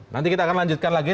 nanti kita akan lanjutkan lagi